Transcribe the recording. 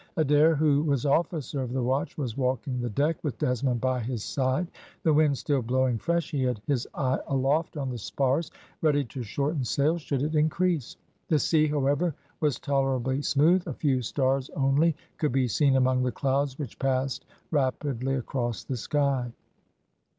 Adair, who was officer of the watch, was walking the deck, with Desmond by his side. The wind still blowing fresh, he had his eye aloft on the spars, ready to shorten sail should it increase. The sea, however, was tolerably smooth; a few stars only could be seen among the clouds which passed rapidly across the sky.